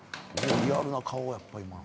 リアルな顔やっぱ今。